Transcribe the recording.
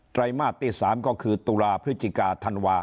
ไรมาสที่๓ก็คือตุลาพฤศจิกาธันวา